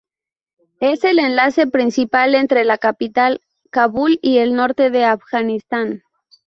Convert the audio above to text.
Es el enlace principal entre la capital Kabul y el norte de Afganistán.